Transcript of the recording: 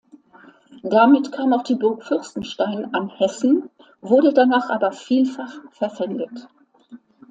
Damit kam auch die Burg Fürstenstein an Hessen, wurde danach aber vielfach verpfändet.